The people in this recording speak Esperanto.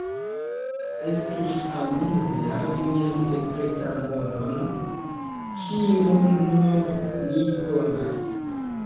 Estus amuze havi nian sekretan monon kiun nur ni konas.